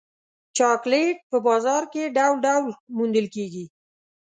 چاکلېټ په بازار کې ډول ډول موندل کېږي.